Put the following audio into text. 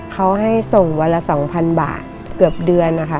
เขาให้ส่งวันละสองพันบาทเกือบเดือนค่ะ